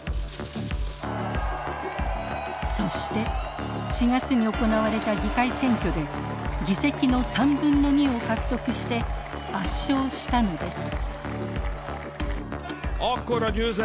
そして４月に行われた議会選挙で議席の３分の２を獲得して圧勝したのです。